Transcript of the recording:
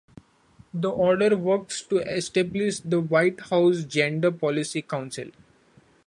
The order works to establish the White House Gender Policy Council.